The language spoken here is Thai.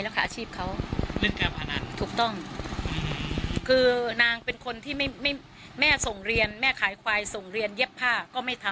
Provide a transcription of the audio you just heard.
เป็นคนชอบความสบายแล้วขี้อิจฉา